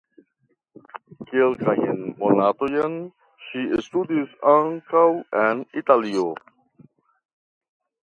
Kelkajn monatojn ŝi studis ankaŭ en Italio.